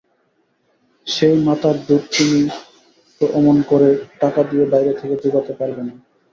সেই মাতার দুধ তুমি তো অমন করে টাকা দিয়ে বাইরে থেকে জোগাতে পারবে না।